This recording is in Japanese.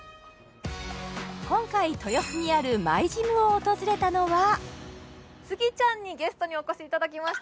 今回豊洲にあるＭｙＧｙｍを訪れたのはスギちゃんにゲストにお越しいただきました